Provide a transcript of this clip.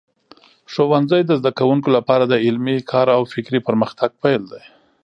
ښوونځی د زده کوونکو لپاره د علمي کار او فکري پرمختګ پیل دی.